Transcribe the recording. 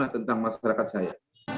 saya terima kasih hadir nih pak reddy ya